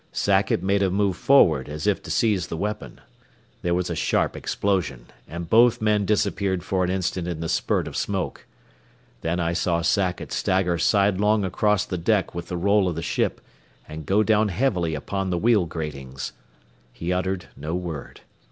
Sackett made a move forward, as if to seize the weapon. There was a sharp explosion, and both men disappeared for an instant in the spurt of smoke. Then I saw Sackett stagger sidelong across the deck with the roll of the ship, and go down heavily upon the wheel gratings. He uttered no word.